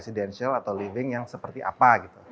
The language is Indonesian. residensial atau living yang seperti apa